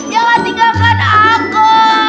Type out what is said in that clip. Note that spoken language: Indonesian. jangan tinggalkan aku